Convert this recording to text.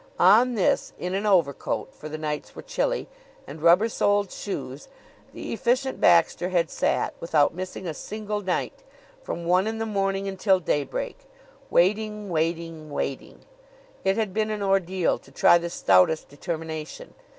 On this, in an overcoat for the nights were chilly and rubber soled shoes, the Efficient Baxter had sat, without missing a single night, from one in the morning until daybreak, waiting, waiting, waiting. It had been an ordeal to try the stoutest determination.